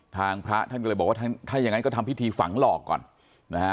พระท่านก็เลยบอกว่าถ้าอย่างนั้นก็ทำพิธีฝังหลอกก่อนนะฮะ